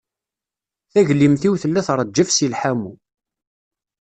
Taglimt-iw tella treǧǧef seg lḥamu.